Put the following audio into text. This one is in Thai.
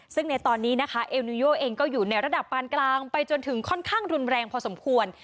ซึ่งในตอนนี้นะคะเอลนิโยเองก็อยู่ในระดับปานกลางไปจนถึงค่อนข้างรุนแรงพอสมควร